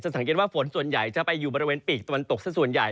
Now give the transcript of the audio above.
สังเกตว่าฝนส่วนใหญ่จะไปอยู่บริเวณปีกตะวันตกสักส่วนใหญ่